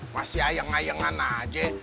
masih ayang ayangan aja